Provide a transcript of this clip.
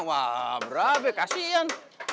wah berabeh kasihan